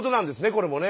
これもね。